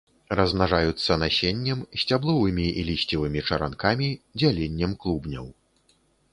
Размнажаюцца насеннем, сцябловымі і лісцевымі чаранкамі, дзяленнем клубняў.